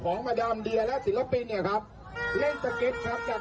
กลุ่มมาดามเดียก็ต้องผิดด้วยใช่ไหมครับ